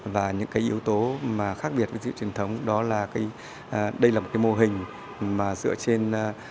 và những cái yếu tố mà khác biệt với sự truyền thống đó là đây là một cái mô hình mà dựa trên